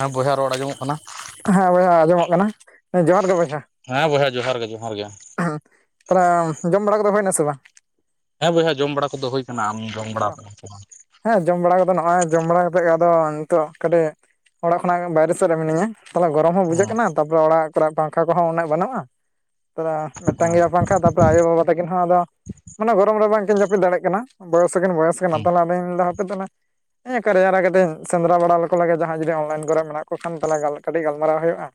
ᱦᱮᱸ ᱵᱚᱭᱦᱟ ᱨᱚᱲ ᱟᱸᱡᱚᱢᱚᱜ ᱠᱟᱱᱟ? ᱦᱮᱸ ᱵᱚᱭᱦᱟ ᱟᱸᱡᱚᱢᱚᱜ ᱠᱟᱱᱟ ᱡᱚᱦᱟᱨ ᱜᱮ ᱵᱚᱭᱦᱟ᱾ ᱦᱮᱸ ᱵᱚᱭᱦᱟ ᱡᱚᱦᱟᱨ ᱜᱮ ᱡᱚᱦᱟᱨ ᱜᱮ᱾ ᱛᱟᱦᱚᱞᱮ ᱡᱚᱢ ᱵᱟᱲᱟ ᱠᱚᱫᱚ ᱦᱩᱭᱱᱟ ᱥᱮ ᱵᱟᱝ? ᱦᱮᱸ ᱵᱚᱭᱦᱟ ᱡᱚᱢ ᱵᱟᱲᱟ ᱠᱚᱫᱚ ᱦᱩᱭ ᱟᱠᱟᱱᱟ ᱟᱢᱮᱢ ᱡᱚᱢ ᱵᱟᱲᱟᱣ ᱠᱟᱫᱟ ᱥᱮ ᱵᱟᱝ? ᱦᱮᱸ ᱡᱚᱢ ᱵᱟᱲᱟ ᱠᱚᱫᱚ ᱱᱚᱜᱼᱚᱭ ᱡᱚᱢ ᱵᱟᱲᱟ ᱠᱟᱛᱮᱫ ᱜᱮ ᱟᱫᱚ ᱱᱤᱛᱚᱜ ᱠᱟᱹᱴᱤᱡ ᱚᱲᱟᱜ ᱠᱷᱚᱱᱟᱜ ᱵᱟᱭᱨᱮ ᱥᱮᱫ ᱨᱮ ᱢᱤᱱᱟᱹᱧᱟ᱾ ᱛᱟᱦᱚᱞᱮ ᱜᱚᱨᱚᱢ ᱦᱚᱸ ᱵᱩᱡᱷᱟᱹᱜ ᱦᱮᱸ ᱠᱟᱱᱟ, ᱛᱟᱨᱯᱚᱨᱮ ᱚᱲᱟᱜ ᱠᱚᱨᱮ ᱯᱟᱝᱠᱷᱟ ᱠᱚᱦᱚᱸ ᱩᱱᱟᱹᱜ ᱵᱟᱹᱱᱩᱜᱼᱟ᱾ ᱛᱮ ᱢᱤᱫᱴᱟᱝ ᱦᱮᱸ ᱜᱮᱭᱟ ᱯᱟᱝᱠᱷᱟ ᱛᱟᱯᱚᱨᱮ ᱟᱭᱳᱵᱟᱵᱟ ᱛᱟᱹᱠᱤᱱ ᱦᱚᱸ ᱟᱫᱚ ᱢᱟᱱᱮ ᱜᱚᱨᱚᱢ ᱨᱮ ᱵᱟᱝᱠᱤᱱ ᱡᱟᱹᱯᱤᱫ ᱫᱟᱲᱮᱭᱟᱜ ᱠᱟᱱᱟ᱾ ᱵᱚᱭᱚᱥ ᱦᱚᱠᱤᱱ ᱵᱚᱭᱚᱥ ᱠᱟᱱᱟ, ᱦᱮᱸ ᱛᱟᱦᱚᱞᱮ ᱟᱫᱚᱧ ᱞᱟᱹᱭᱫᱟ ᱦᱟᱯᱮ ᱛᱟᱦᱚᱞᱮ ᱮᱸ ᱠᱟᱨᱮᱭᱟᱨᱮ ᱠᱟᱹᱴᱤᱡ ᱥᱮᱸᱫᱽᱨᱟ ᱵᱟᱲᱟ ᱞᱮᱠᱚ ᱞᱮᱜᱮ ᱡᱟᱦᱟᱸᱭ ᱡᱩᱫᱤ ᱚᱱᱞᱟᱭᱤᱱ ᱠᱚᱨᱮ ᱢᱮᱱᱟᱜ ᱠᱚ ᱠᱷᱟᱱ ᱛᱟᱦᱚᱞᱮ ᱠᱟᱹᱴᱤᱡ ᱜᱟᱞᱢᱟᱨᱟᱣ ᱦᱩᱭᱩᱜᱼᱟ᱾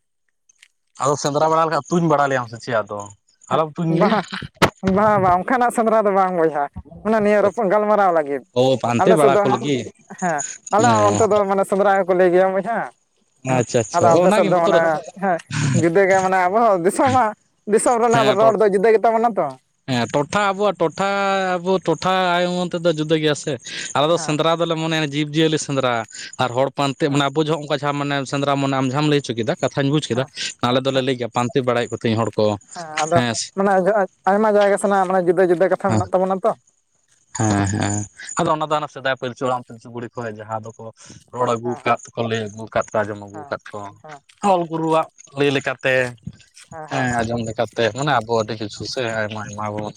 ᱟᱫᱚ ᱥᱮᱸᱫᱽᱨᱟ ᱵᱟᱲᱟ ᱞᱮᱠᱷᱟᱡ ᱛᱩᱧ ᱵᱟᱲᱟ ᱞᱮᱭᱟᱢ ᱥᱮ ᱪᱮᱫ ᱟᱫᱚ? ᱟᱞᱚᱢ ᱛᱩᱧ ᱞᱮᱭᱟ ᱵᱟ ᱵᱟᱝ ᱵᱟᱝ ᱚᱱᱠᱟᱱᱟᱜ ᱥᱮᱸᱫᱽᱨᱟ ᱫᱚ ᱵᱟᱝ ᱵᱚᱭᱦᱟ᱾ ᱦᱟ ᱚᱱᱮ ᱱᱤᱭᱟᱹ ᱨᱚᱯᱚᱲ ᱜᱟᱞᱢᱟᱨᱟᱣ ᱞᱟᱹᱜᱤᱫ, ᱚ ᱯᱟᱱᱛᱮ ᱟᱞᱮ ᱥᱮᱫ ᱵᱟᱲᱟ ᱫᱚᱼᱼ ᱠᱚ ᱞᱟᱹᱜᱤᱫ ᱦᱮᱸ ᱟᱞᱮ ᱚ ᱚᱱᱛᱮ ᱫᱚ ᱢᱟᱱᱮ ᱥᱮᱸᱫᱽᱨᱟᱭ ᱦᱚᱸᱠᱚ ᱞᱟᱹᱭ ᱜᱮᱭᱟ ᱵᱚᱭᱦᱟ᱾ ᱟᱪᱪᱷᱟ ᱟᱪᱪᱷᱟ ᱟᱫᱚ ᱟᱯᱮ ᱥᱮᱫ ᱚᱱᱟᱜᱮ ᱫᱚ ᱵᱚᱛᱚᱨ ᱢᱟᱱᱮ ᱦᱮᱸ ᱡᱩᱫᱟᱹ ᱜᱮ ᱢᱟᱱᱮ ᱟᱵᱚ ᱫᱚ ᱫᱤᱥᱚᱢ ᱢᱟᱼᱼ ᱛᱚᱢ ᱨᱮᱱᱟᱜ ᱦᱮᱸ ᱴᱚᱴ ᱨᱚᱲ ᱫᱚ ᱡᱩᱫᱟᱹ ᱜᱮᱛᱟ ᱵᱚᱱᱟ ᱛᱚ᱾ ᱦᱮᱸ ᱴᱚᱴᱷᱟ ᱟᱵᱚᱣᱟᱜ ᱴᱚᱴᱷᱟ ᱟᱵᱚ ᱴᱚᱴᱷᱟ ᱟᱭ ᱩᱢᱟᱹᱱ ᱛᱮᱫᱚ ᱡᱩᱫᱟᱹ ᱜᱮᱭᱟ ᱥᱮ ᱟᱞᱮ ᱫᱚ ᱦᱮᱸ ᱥᱮᱸᱫᱽᱨᱟᱼᱼ ᱟᱞᱮ ᱫᱚᱞᱮ ᱢᱚᱱᱮᱭᱟ ᱡᱤᱵᱽᱡᱤᱭᱟᱹᱞᱤ ᱥᱮᱸᱫᱽᱨᱟ ᱟᱨ ᱦᱚᱲ ᱯᱟᱱᱛᱮ ᱦᱮᱸ ᱢᱟᱱᱮ ᱟᱵᱚ ᱡᱚᱦᱚᱜ ᱚᱱᱠᱟ ᱡᱟᱦᱟᱸ ᱢᱟᱱᱮ ᱥᱮᱸᱫᱽᱨᱟ ᱢᱚᱱᱮ ᱟᱢ ᱡᱟᱦᱟᱸᱢ ᱞᱟᱹᱭ ᱦᱚᱪᱚ ᱠᱮᱫᱟ᱾ ᱠᱟᱛᱷᱟᱧ ᱵᱩᱡ ᱠᱮᱫᱟ ᱦᱮᱸ ᱟᱞᱮ ᱫᱚᱞᱮ ᱦᱮᱸ ᱞᱟᱹᱭ ᱜᱮᱭᱟ ᱯᱟᱱᱛᱮ ᱵᱟᱲᱟᱭᱮᱜ ᱠᱚ ᱛᱟᱦᱮᱤᱧ ᱦᱚᱲ ᱠᱚ᱾ ᱦᱮᱸ ᱟᱫᱚ ᱢᱟᱱᱮ ᱟᱭᱢᱟ ᱡᱟᱭᱜᱟ ᱥᱮᱱᱟᱜ ᱢᱟᱱᱮ ᱡᱩᱫᱟᱹ ᱡᱩᱫᱟᱹ ᱠᱟᱛᱷᱟ ᱦᱮᱸ ᱢᱮᱱᱟᱜ ᱛᱟᱵᱚᱱᱟ ᱛᱚ᱾ ᱦᱮᱸ ᱦᱮᱸ ᱟᱫᱚ ᱚᱱᱟ ᱫᱚ ᱦᱟᱱᱮ ᱥᱮᱫᱟᱭ ᱯᱤᱞᱪᱩ ᱦᱟᱲᱟᱢ ᱯᱤᱞᱪᱩ ᱵᱩᱲᱤ ᱠᱚ ᱦᱮᱡ ᱞᱮᱱᱟ ᱟᱫᱚᱠᱚᱼᱼ ᱨᱚᱲ ᱟᱹᱜᱩ ᱦᱮᱸ ᱦᱮᱸ ᱦᱮᱸ ᱟᱠᱟᱫ ᱠᱚ ᱞᱟᱹᱭ ᱟᱹᱜᱩ ᱟᱠᱟᱫ ᱠᱚ ᱟᱸᱡᱚᱢ ᱟᱹᱜᱩ ᱦᱮᱸ ᱦᱮᱸ ᱦᱮᱸ ᱟᱠᱟᱫ ᱠᱚᱼᱼ ᱚᱞ ᱜᱩᱨᱩᱣᱟᱜ ᱞᱟᱹᱭ ᱞᱮᱠᱟ ᱛᱮ ᱦᱮᱸ ᱟᱸᱡᱚᱢ ᱞᱮᱠᱟᱼᱼ ᱛᱮ ᱢᱟᱱᱮ ᱟᱵᱚ ᱟᱹᱰᱤ ᱠᱤᱪᱷᱩ ᱥᱮ ᱟᱭᱢᱟ ᱟᱭᱢᱟ ᱵᱚᱱ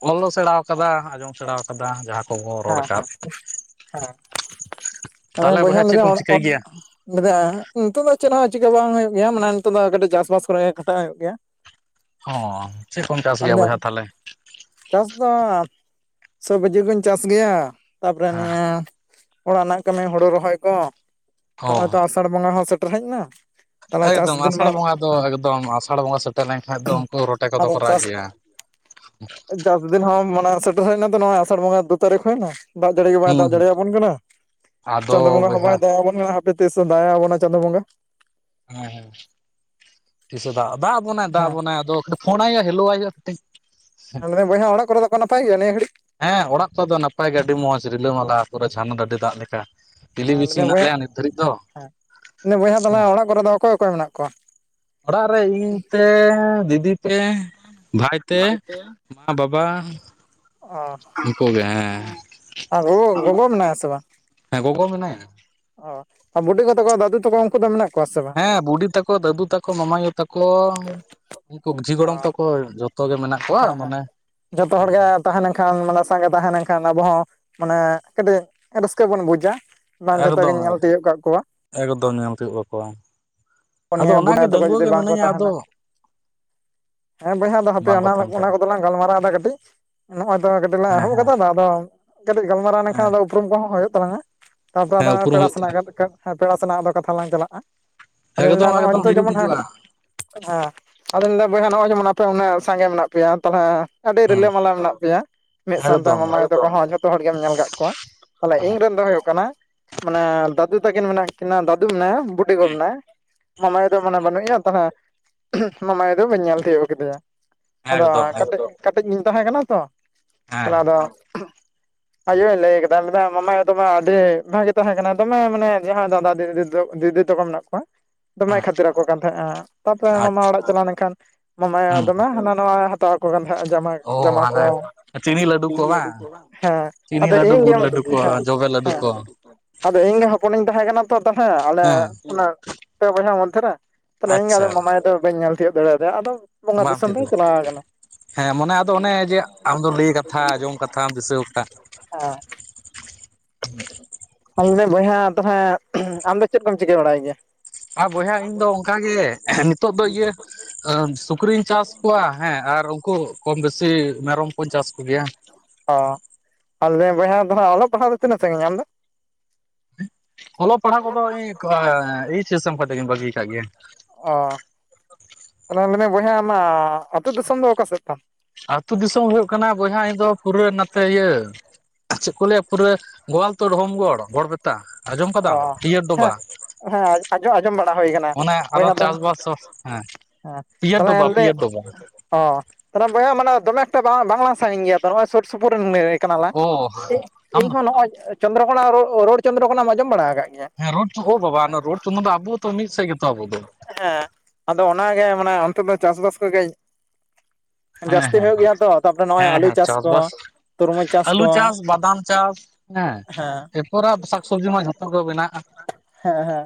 ᱚᱞᱚ ᱥᱮᱬᱟ ᱟᱠᱟᱫᱟ ᱟᱸᱡᱚᱢ ᱥᱮᱬᱟᱣ-ᱼ ᱠᱟᱫᱟ, ᱡᱟᱦᱟᱸ ᱠᱚᱵᱚᱱ ᱨᱚᱲ ᱦᱮᱸ ᱟᱠᱟᱫ᱾ ᱟᱫᱚ ᱛᱟᱦᱚᱞᱮ ᱵᱚᱭᱦᱟ ᱪᱮᱫ ᱞᱮᱫᱟᱧ ᱠᱚᱢ ᱚᱲᱟ ᱪᱤᱠᱟᱹᱭ ᱚᱜ ᱜᱮᱭᱟ ᱞᱮᱫᱟ ᱱᱤᱛᱚᱜ ᱫᱚ ᱪᱮᱫ ᱦᱚᱸ ᱪᱤᱠᱟᱹ ᱵᱟᱝ ᱦᱩᱭᱩᱜ ᱜᱮᱭᱟ ᱢᱟᱱᱮ ᱱᱤᱛᱚᱜ ᱫᱚ ᱠᱟᱹᱴᱤᱡ ᱪᱟᱥᱵᱟᱥ ᱠᱚᱨᱮ ᱠᱷᱟᱴᱟᱜ ᱦᱩᱭᱩᱜ ᱜᱮᱭᱟ᱾ ᱦᱚᱸ ᱪᱮᱫ ᱠᱚᱢ ᱪᱟᱥ ᱜᱮᱭᱟ ᱟᱫᱚ ᱵᱚᱭᱦᱟ ᱛᱟᱦᱞᱮ? ᱪᱟᱥ ᱫᱚ ᱥᱚᱵᱡᱤ ᱠᱩᱧ ᱪᱟᱥ ᱜᱮᱭᱟ, ᱛᱟᱯᱚᱨᱮ ᱦᱮᱸ ᱱᱤᱭᱟᱹ ᱚᱲᱟᱜ ᱨᱮᱱᱟᱜ ᱠᱟᱹᱢᱤ ᱦᱳᱲᱳ ᱨᱚᱦᱚᱭ ᱠᱚ ᱚ ᱱᱚᱜᱼᱚᱭ ᱛᱚ ᱟᱥᱟᱲ ᱵᱚᱸᱜᱟ ᱦᱚᱸ ᱥᱮᱴᱮᱨ ᱦᱮᱡ ᱱᱟ, ᱮᱠᱫᱚᱢ ᱟᱥᱟᱲ ᱵᱚᱸᱜᱟ ᱫᱚ ᱮᱠᱫᱚᱢ ᱟᱥᱟᱲ ᱵᱚᱸᱜᱟ ᱥᱮᱴᱮᱨ ᱞᱮᱱᱠᱷᱟᱱ ᱫᱚ ᱩᱱᱠᱩ ᱨᱚᱴᱮ ᱠᱚᱫᱚ ᱟᱫᱚ ᱠᱚ ᱨᱟᱜ ᱪᱟᱥ ᱜᱮᱭᱟ᱾ [inaudible] ᱪᱟᱥ ᱫᱤᱱ ᱦᱚᱸ ᱢᱟᱱᱮ ᱥᱮᱴᱮᱨ ᱦᱮᱡᱱᱟ ᱛᱚ ᱱᱚᱜᱚᱭ ᱟᱥᱟᱲ ᱵᱚᱸᱜᱟ ᱫᱩ ᱛᱟᱹᱨᱤᱠᱷ ᱦᱩᱭᱮᱱᱟ᱾ ᱫᱟᱜ ᱡᱟᱹᱲᱤ ᱜᱮ ᱵᱟᱭ ᱦᱩᱸ ᱫᱟᱜ ᱦᱩᱸ ᱡᱟᱹᱲᱤ ᱟᱵᱚᱱ ᱠᱟᱱᱟ ᱟᱫᱚ ᱪᱟᱸᱫᱳ ᱵᱚᱸᱜᱟ ᱦᱚᱸ ᱵᱚᱭᱦᱟ ᱵᱟᱭ ᱫᱟᱭᱟ ᱟᱵᱚᱱ ᱠᱟᱱᱟ᱾ ᱯᱮ ᱛᱤᱥᱮ ᱫᱟᱜ ᱟᱵᱚᱱᱟ ᱪᱟᱸᱫᱳ ᱵᱚᱸᱜᱟ, ᱦᱮᱸ ᱦᱮᱸ ᱛᱤᱥᱮ ᱫᱟᱜ ᱫᱟᱜ ᱟᱵᱚᱱᱟᱭ ᱫᱟᱜ ᱦᱮᱸ ᱟᱵᱚᱱᱟᱭ ᱟᱫᱚ ᱠᱟᱹᱴᱤᱡ ᱯᱷᱳᱱ ᱟᱭ ᱦᱩᱭᱩᱜᱼᱟ ᱦᱮᱞᱳᱣ ᱟᱭ ᱦᱩᱭᱩᱜᱼᱟ ᱠᱟᱹᱴᱤᱡ᱾ ᱞᱟᱹᱭᱫᱟᱧ ᱵᱚᱭᱦ ᱚᱲᱟᱜ ᱠᱚᱨᱮ ᱫᱚᱠᱚ ᱱᱟᱯᱟᱭ ᱜᱮᱭᱟ ᱱᱤᱭᱟᱹ ᱜᱷᱟᱹᱲᱤᱡ? ᱦᱮᱸ ᱚᱲᱟᱜ ᱠᱚᱫᱚ ᱱᱟᱯᱟᱭ ᱜᱮ ᱟᱹᱰᱤ ᱢᱚᱸᱡᱽ ᱨᱤᱞᱟᱹᱢᱟᱞᱟ ᱯᱩᱨᱟᱹ ᱡᱷᱟᱱ ᱰᱟᱹᱰᱤ ᱫᱟᱜ ᱞᱮᱠᱟ᱾ ᱯᱤᱞᱤ ᱦᱮᱸ ᱵᱤᱪᱷᱤ ᱞᱮᱫᱟᱹᱧ ᱦᱮᱱᱟᱜ ᱵᱚᱭᱦᱟ ᱞᱮᱭᱟ ᱱᱤᱛ ᱫᱷᱟᱹᱨᱤᱡ ᱫᱚ ᱦᱮᱸ ᱞᱮᱫᱟᱹᱧ ᱵᱚᱭᱦᱟ ᱛᱟᱦᱞᱮ ᱚᱲᱟᱜ ᱠᱚᱨᱮ ᱫᱚ ᱚᱠᱚᱭ ᱚᱠᱚᱭ ᱢᱮᱱᱟᱜ ᱠᱚᱣᱟ? ᱚᱲᱟᱜ ᱨᱮ ᱤᱧ ᱛᱮ ᱫᱤᱫᱤ ᱛᱮ ᱵᱷᱟᱭ ᱛᱮ ᱢᱟ ᱵᱟᱵᱟ ᱚ ᱠᱚᱜᱮ ᱦᱮᱸ᱾ ᱟᱨ ᱜᱚ ᱜᱚᱜᱚ ᱢᱮᱱᱟᱭᱟ ᱥᱮ ᱵᱟᱝ? ᱦᱮᱸ ᱜᱚᱜᱚ ᱢᱮᱱᱟᱭᱟ᱾ ᱚ ᱟᱨ ᱵᱩᱰᱤ ᱜᱚ ᱛᱟᱠᱚ ᱫᱟᱫᱩ ᱛᱟᱠᱚ ᱩᱱᱠᱩ ᱫᱚ ᱢᱮᱱᱟᱜ ᱠᱚᱣᱟ ᱥᱮ ᱵᱟᱝ? ᱦᱮᱸ ᱵᱩᱰᱤ ᱛᱟᱠᱚ ᱫᱟᱹᱫᱩ ᱛᱟᱠᱚ ᱢᱟᱢᱟᱭᱳ ᱛᱟᱠᱚ ᱩᱱᱠᱩ ᱡᱷᱤ ᱚ ᱜᱚᱲᱚᱢ ᱛᱟᱠᱚ ᱟᱨ ᱡᱚ ᱛᱚ ᱜᱮ ᱢᱮᱱᱟᱜ ᱠᱚᱣᱟ, ᱦᱮᱸ ᱦᱮᱸ ᱢᱟᱱᱮᱼᱼ ᱡᱚᱛᱚ ᱦᱚᱲ ᱜᱮ ᱛᱟᱦᱮᱸ ᱞᱮᱱᱠᱷᱟᱱ ᱢᱟᱱᱮ ᱥᱟᱸᱜᱮ ᱛᱟᱦᱮᱸ ᱞᱮᱱᱠᱷᱟᱱ ᱟᱵᱚ ᱦᱚᱸ ᱢᱟᱱᱮ ᱠᱟᱹᱴᱤᱡ ᱨᱟᱹᱥᱠᱟᱹ ᱵᱚᱱ ᱵᱩᱡᱟ᱾ ᱵᱟᱝ ᱡᱷᱚᱛᱚ ᱮᱠᱫᱚᱢ ᱜᱤᱧ ᱧᱮᱞ ᱮᱠᱫᱚᱢ ᱛᱤᱭᱳᱜ ᱠᱟᱜ ᱠᱚᱣᱟ᱾ ᱮᱠᱫᱚᱢ ᱧᱮᱞ ᱛᱤᱭᱳᱜ ᱠᱟᱠᱚᱣᱟᱢ ᱟᱫᱚ ᱩᱱᱤᱭᱟᱹ ᱚᱱᱟᱜᱮ ᱵᱚᱰᱟᱭ ᱛᱟᱠᱚ ᱰᱟᱺᱜᱩᱣᱟᱹ ᱡᱩᱫᱤ ᱜᱮ ᱵᱟᱝᱠᱚ ᱢᱤᱱᱟᱹᱧᱟ ᱟᱫᱚ ᱛᱟᱦᱮᱱᱟ, ᱦᱮᱸ ᱵᱚᱭᱦᱟ ᱫᱚ ᱦᱟᱼᱼ ᱵᱟᱝᱠᱚ ᱛᱟᱦᱮᱱ [unintelligible] ᱚᱱᱟ ᱠᱷᱟᱡ ᱠᱚᱫᱚᱞᱟᱝ ᱜᱟᱞᱢᱟᱨᱟᱣ ᱮᱫᱟ ᱠᱟᱹᱴᱤᱡ ᱱᱚᱜᱼᱚᱭ ᱛᱚ ᱠᱟᱹᱴᱤᱡ ᱦᱮᱸ ᱮᱦᱚᱵ ᱦᱮᱸ ᱠᱟᱫᱟ ᱟᱫᱚᱼᱼ ᱠᱟᱹᱴᱤᱡ ᱜᱟᱞᱢᱟᱨᱟᱣ ᱞᱮᱱᱠᱷᱟᱱ ᱦᱮᱸ ᱟᱫᱚ ᱩᱯᱨᱩᱢ ᱠᱚᱦᱚᱸ ᱦᱩᱭᱩᱜ ᱛᱟᱞᱟᱝᱼᱟ᱾ ᱛᱟᱯᱚᱨ ᱦᱮᱸ ᱟᱫᱚ ᱩᱯᱨᱩᱢ ᱯᱮᱲᱟ ᱦᱩᱭᱩᱜ ᱛᱟᱢᱟ ᱥᱟᱞᱟᱜ [unintelligible] ᱦᱮᱸ ᱯᱮᱲᱟ ᱥᱮᱱᱟᱜ ᱟᱫᱚ ᱠᱟᱛᱷᱟ ᱵᱟᱝ ᱪᱟᱞᱟᱜᱼᱟ ᱾ᱟᱫᱚ ᱞᱟᱹᱭ ᱫᱟ ᱮᱠᱫᱚᱢ ᱱᱚᱜᱼᱚᱭ ᱮᱠᱫᱚᱢ ᱱᱤᱛᱚᱜ ᱦᱤᱨᱤᱢ ᱡᱮᱢᱚᱱ ᱦᱟᱸᱜᱼᱼ ᱦᱤᱡᱩᱜᱼᱟ ᱦᱮᱸ ᱟᱫᱚᱧ ᱞᱟᱹᱭᱮᱜᱼᱟ, ᱵᱚᱭᱦᱟ ᱱᱚᱜᱼᱚᱭ ᱡᱮᱢᱚᱱ ᱟᱯᱮ ᱩᱱᱟᱹᱜ ᱥᱟᱸᱜᱮ ᱢᱮᱱᱟᱜ ᱯᱮᱭᱟ ᱛᱟᱦᱚᱞᱮᱼᱼ ᱟᱹᱰᱤ ᱦᱩᱸ ᱨᱤᱞᱟᱹᱢᱟᱞᱟ ᱢᱮᱱᱟᱜ ᱯᱮᱭᱟ᱾ ᱢᱤᱫ ᱥᱟᱱᱛᱟᱲ ᱮᱠᱫᱚᱢ ᱢᱟᱢᱟᱭᱩ ᱛᱟᱠᱚ ᱦᱚᱸ ᱡᱚᱛᱚ ᱦᱚᱲ ᱜᱮᱢ ᱧᱮᱞ ᱟᱠᱟᱫ ᱠᱚᱣᱟ᱾ ᱛᱟᱦᱚᱞᱮ ᱤᱧ ᱨᱮᱱ ᱫᱚ ᱦᱩᱭᱩᱜ ᱠᱟᱱᱟᱼᱼ ᱢᱟᱱᱮ ᱫᱟᱫᱩ ᱛᱟᱹᱠᱤᱱ ᱢᱮᱱᱟᱜ ᱠᱤᱱᱟ, ᱫᱟᱫᱩ ᱢᱮᱱᱟᱭᱟ ᱵᱩᱴᱤ ᱜᱚ ᱢᱮᱱᱟᱭᱟ᱾ ᱢᱟᱢᱟᱭᱩ ᱫᱚ ᱢᱟᱱᱮ ᱵᱟᱹᱱᱩᱜ ᱮᱭᱟ ᱛᱟᱦᱚᱞᱮ ᱢᱟᱢᱟᱭᱩ ᱫᱚ ᱵᱟᱹᱧ ᱧᱮᱞ ᱛᱤᱭᱳᱜ ᱠᱮᱫᱮᱭᱟ᱾ ᱟᱫᱚ ᱮᱠᱫᱚᱢ ᱦᱮᱸ ᱠᱟᱹᱴᱤᱡ ᱠᱟᱹᱴᱤᱡ ᱤᱧ ᱛᱟᱦᱮᱸ ᱠᱟᱱᱟ ᱛᱚ, ᱛᱟᱦᱚᱞᱮ ᱟᱫᱚᱼᱼ ᱦᱮᱸ ᱟᱭᱳᱭ ᱞᱟᱹᱭ ᱟᱠᱟᱫᱟ, ᱢᱮᱱᱫᱟ ᱢᱟᱢᱟᱭᱩ ᱫᱚᱢᱮ ᱟᱹᱰᱤ ᱵᱷᱟᱜᱤ ᱛᱟᱦᱮᱸ ᱠᱟᱱᱟ ᱫᱚᱢᱮ ᱢᱟᱱᱮ ᱡᱟᱦᱟᱸᱭ ᱫᱟᱫᱟ ᱫᱤᱫᱤ ᱛᱟᱠᱚ ᱫᱤᱫᱤᱼᱼ ᱛᱟᱠᱚ ᱢᱮᱱᱟᱜ ᱠᱚᱣᱟ, ᱫᱚᱢᱮ ᱠᱷᱟᱛᱤᱨ ᱟᱠᱚ ᱠᱟᱱ ᱛᱟᱦᱮᱸᱜᱼᱟ ᱾ᱛᱟᱯᱚᱨᱮ ᱟᱪᱪᱷᱟ ᱢᱟᱢᱟ ᱚᱲᱟᱜ ᱪᱟᱞᱟᱣ ᱞᱮᱱᱠᱷᱟᱱ ᱢᱟᱢᱟᱭᱩᱼᱼ ᱦᱩᱸ ᱦᱟᱱᱟ ᱱᱟᱣᱟᱭ ᱦᱟᱛᱟᱣ ᱟᱠᱚ ᱠᱟᱱ ᱛᱟᱦᱮᱸᱜᱼᱟᱭ ᱡᱟᱢᱟᱭ ᱚ ᱡᱟᱢᱟ ᱦᱟᱱᱟ ᱠᱚ᱾ ᱪᱤᱱᱤ ᱞᱟᱹᱰᱩ ᱠᱚ ᱵᱟᱝ ᱦᱮᱸ ᱪᱤᱱᱤ ᱟᱫᱚ [unintelligible] ᱞᱟᱹᱰᱩ ᱦᱮᱸ ᱜᱩᱲ ᱞᱟᱹᱰᱩ ᱠᱚ ᱡᱚᱵᱮ ᱞᱟᱹᱰᱩ ᱦᱮᱸ᱾ ᱠᱚ ᱟᱫᱚ ᱤᱧ ᱜᱮ ᱦᱚᱯᱚᱱᱤᱧ ᱛᱟᱦᱮᱸ ᱠᱟᱱᱟ ᱛᱚ ᱛᱟᱦᱚᱞᱮ ᱦᱮᱸ ᱚᱱᱮ ᱚᱱᱟ ᱯᱮ ᱵᱚᱭᱦᱟ ᱢᱚᱫᱽᱫᱷᱮᱨᱮ᱾ ᱛᱟᱦᱚᱞᱮ ᱤᱧ ᱜᱮ ᱟᱫᱚ ᱟᱪᱪᱷᱟ ᱢᱟᱢᱟᱭᱳ ᱫᱚ ᱵᱟᱹᱧ ᱧᱮᱞ ᱛᱤᱭᱳᱜ ᱫᱟᱲᱮᱭᱟᱫᱮᱭᱟ, ᱟᱫᱚ ᱵᱚᱸᱜᱟ ᱵᱟᱢ ᱫᱤᱥᱚᱢ ᱛᱤᱭᱳᱜ ᱨᱤᱧ ᱫᱟᱲᱮᱭᱟᱜᱼᱟ ᱪᱟᱞᱟᱣ ᱠᱟᱱᱟ᱾ ᱦᱮᱸ ᱢᱚᱱᱮ ᱟᱫᱚ ᱚᱱᱮ ᱡᱮ ᱟᱢᱫᱚ ᱞᱟᱹᱭ ᱠᱟᱛᱷᱟ ᱟᱸᱚᱢ ᱠᱟᱛᱷᱟᱢ ᱫᱤᱥᱟᱹ ᱠᱟᱜᱼᱼ ᱦᱮᱸ᱾ ᱟᱢᱜᱮ ᱵᱚᱭᱦᱟ ᱛᱟᱦᱮ, ᱟᱢ ᱫᱚ ᱪᱮᱫ ᱠᱚᱢ ᱪᱤᱠᱟᱹ ᱵᱟᱲᱟᱭ ᱜᱮᱭᱟ‍? ᱟᱨ ᱵᱚᱭᱦᱟ ᱤᱧ ᱫᱚ ᱚᱱᱠᱟᱜᱮ ᱱᱤᱛᱚᱜ ᱫᱚ ᱤᱭᱟᱹᱼᱼ ᱥᱩᱠᱨᱤᱧ ᱪᱟᱥ ᱠᱚᱣᱟ, ᱦᱮᱸ ᱟᱨ ᱩᱱᱠᱩ ᱠᱚᱢ ᱵᱮᱥᱤ ᱢᱮᱨᱚᱢ ᱠᱩᱧ ᱪᱟᱥ ᱠᱚᱜᱮᱭᱟ᱾ ᱚ ᱟᱨ ᱞᱟᱹᱭ ᱫᱤᱧ ᱵᱚᱭᱦᱟ ᱫᱚ ᱦᱟᱸᱜ ᱚᱞᱚᱜ ᱯᱟᱲᱦᱟᱜ ᱫᱚ ᱛᱤᱱᱟᱹᱜ ᱥᱟᱺᱜᱤᱧ ᱧᱟᱢ ᱫᱚ‍? ᱚᱞᱚᱜ ᱯᱟᱲᱦᱟᱜ ᱠᱚᱫᱚ ᱤᱧ ᱮᱭᱤ ᱪᱮᱥ ᱮᱢ ᱠᱟᱛᱮ ᱜᱤᱧ ᱵᱟᱹᱜᱤᱭ ᱠᱟᱜ ᱜᱮᱭᱟ᱾ ᱚ ᱛᱟᱦᱚᱞᱮ ᱞᱮᱫᱟᱹᱧ ᱵᱚᱭᱦᱟ ᱟᱢᱟᱜᱟᱜ ᱟᱹᱛᱩ ᱫᱤᱥᱚᱢ ᱫᱚ ᱚᱠᱟ ᱥᱮᱫ ᱛᱟᱢ? ᱟᱹᱛᱩ ᱫᱤᱥᱚᱢ ᱦᱩᱭᱩᱜ ᱠᱟᱱᱟ ᱵᱚᱭᱦᱟ ᱤᱧ ᱫᱚ ᱯᱩᱨᱟᱹ ᱱᱟᱛᱮ ᱤᱭᱟᱹ ᱪᱮᱫ ᱠᱚ ᱞᱟᱹᱭᱟ ᱯᱩᱨᱟᱹᱼᱼ ᱜᱳᱣᱟᱞᱛᱳᱲ ᱦᱳᱢᱜᱚᱲ ᱜᱚᱲ ᱵᱮᱛᱟ ᱟᱸᱡᱚᱢ ᱠᱟᱫᱟᱢ ᱚ ᱯᱤᱭᱟᱹᱨ ᱦᱮᱸ ᱰᱚᱵᱟ᱾ ᱦᱮᱸ ᱟᱸᱡᱚ ᱟᱸᱡᱚᱢ ᱵᱟᱲᱟ ᱦᱩᱭ ᱠᱟᱱᱟ᱾ ᱚᱱᱮ ᱦᱳᱭ ᱟᱫᱚ ᱟᱫᱚᱼᱼ ᱪᱟᱥᱵᱟᱥ ᱦᱮᱸ ᱯᱤᱭᱟᱹᱨ ᱛᱟᱦᱚᱞᱮ ᱰᱚᱵᱟ ᱞᱮᱼᱼ ᱯᱤᱭᱟᱹᱨ ᱰᱚᱵᱟ ᱚ ᱛᱟᱦᱚᱞᱮ ᱵᱚᱭᱦᱟ ᱢᱟᱱᱮ ᱫᱚᱢᱮ ᱮᱠᱴᱟ ᱵᱟᱝ ᱵᱟᱝᱞᱟᱝ ᱥᱟᱺᱜᱤᱧ ᱜᱮᱭᱟ, ᱱᱚᱜᱼᱚᱭ ᱥᱩᱨ ᱥᱩᱯᱩᱨ ᱨᱮᱱᱼᱼ ᱠᱟᱱᱟᱞᱟᱝ, ᱚ ᱤᱧ ᱟᱢ ᱫᱚ ᱦᱚᱸ ᱱᱚᱜᱼᱚᱭ ᱪᱚᱱᱫᱨᱚ ᱠᱚᱱᱟ ᱨᱳᱲ ᱪᱚᱱᱫᱨᱚ ᱠᱷᱚᱱᱟᱢ ᱟᱸᱡᱚᱢ ᱵᱟᱲᱟ ᱟᱠᱟᱜ ᱜᱮᱭᱟ? ᱦᱮᱸ ᱨᱳᱰ ᱳ ᱵᱟᱵᱟ ᱚᱱᱟ ᱨᱳᱰ ᱪᱚᱱᱫᱚ ᱫᱚ ᱟᱵᱚ ᱛᱚ ᱢᱤᱫ ᱥᱮᱫ ᱜᱮᱛᱚ ᱟᱵᱩ ᱫᱚ᱾ ᱦᱮᱸ ᱟᱫᱚ ᱚᱱᱟᱜᱮ ᱢᱟᱱᱮ ᱚᱱᱛᱮ ᱫᱚ ᱪᱟᱥᱵᱟᱥ ᱠᱚ ᱠᱟᱹᱡᱼᱼ ᱦᱮᱸ ᱡᱟᱹᱥᱛᱤ ᱦᱮᱸ ᱦᱩᱭᱩᱜ ᱜᱮᱭᱟ ᱛᱚ ᱛᱟᱯᱚᱨᱮ ᱱᱚᱜᱼᱚᱭ ᱦᱮᱸ ᱟᱹᱞᱩ ᱦᱮᱸ ᱪᱟᱥ ᱠᱚ ᱪᱟᱥᱵᱟᱥ ᱛᱚᱨᱢᱚᱡᱽ ᱪᱟᱥ ᱟᱹᱞᱩ ᱠᱚ, ᱵᱟᱫᱟᱢ ᱪᱟᱥ ᱦᱮᱸ ᱮᱯᱚᱨᱮᱜ ᱥᱟᱠᱥᱚᱵᱽᱡᱤ ᱢᱟ ᱡᱷᱚᱛᱚ ᱜᱮ ᱵᱮᱱᱟᱜᱼᱟ᱾ ᱦᱮᱸ ᱦᱮᱸ